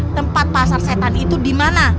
tempat pasar setan itu di mana